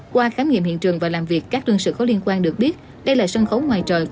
qua khám nghiệm hiện trường và làm việc các đương sự có liên quan được biết đây là sân khấu ngoài trời